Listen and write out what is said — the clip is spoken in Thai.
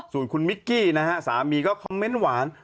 ส่วนคุณมิกกี้นะฮะสามีก็คอมเมนต์หวาน